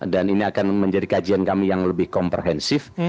dan ini akan menjadi kajian kami yang lebih komprehensif